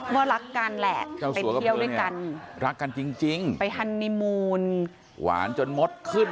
ว่ารักกันแหละไปเที่ยวด้วยกันรักกันจริงไปฮันนิมูลหวานจนมดขึ้น